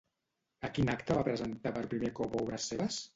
A quin acte va presentar per primer cop obres seves?